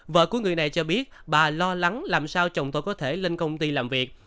vợ của người này cho biết bà lo lắng làm sao chồng tôi có thể lên công ty làm việc